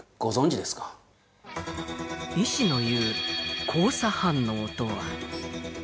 医師の言う交差反応とは。